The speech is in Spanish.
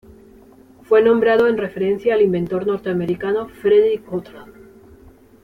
Fue nombrado en referencia al inventor norteamericano Frederick Cottrell.